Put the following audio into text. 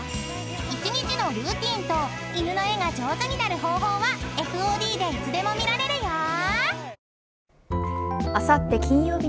［一日のルーティンと犬の絵が上手になる方法はＦＯＤでいつでも見られるよ］